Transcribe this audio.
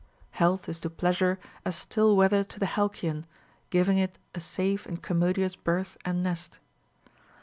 Health is to pleasure as still weather to the hal cyon, giving it a safe and commodious birth and nest.